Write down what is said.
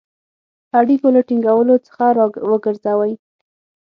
اړیکو له ټینګولو څخه را وګرځوی.